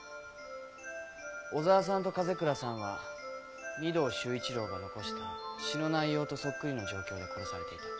小沢さんと風倉さんは御堂周一郎が残した詩の内容とそっくりの状況で殺されていた。